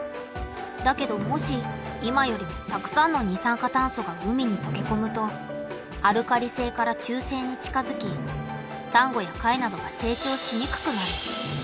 だけどもし今よりもたくさんの二酸化炭素が海にとけこむとアルカリ性から中性に近づきサンゴや貝などが成長しにくくなる。